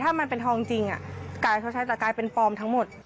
ถ้ามันเป็นทองจริงกายเขาใช้แต่กลายเป็นปลอมทั้งหมด